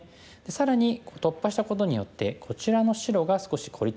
更に突破したことによってこちらの白が少し孤立してきました。